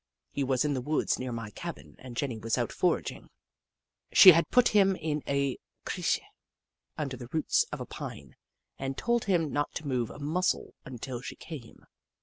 He was in the woods near my cabin and Jenny was out foraging. She had put him in a crtche under the roots of a pine and told him not to move a muscle until she came.